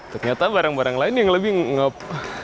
ternyata barang barang lain yang lebih ngop